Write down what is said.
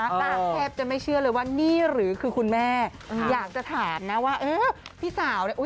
ตาแทบจะไม่เชื่อเลยว่านี่